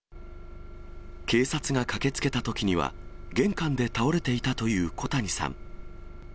警察が駆けつけたときには、玄関で倒れていたという小谷さん。